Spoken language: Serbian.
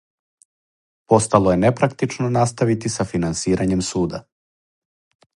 Постало је непрактично наставити са финансирањем суда.